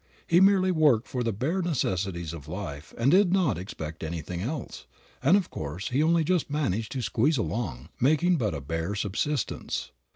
He merely worked for the bare necessities of life, did not expect anything else, and of course he only just managed to squeeze along, making but a bare subsistence.